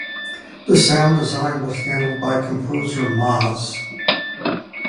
The sound design was handled by composer "Maz".